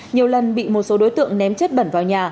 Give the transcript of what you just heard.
nhiều lần bị một số đối tượng ném chất bẩn vào nhà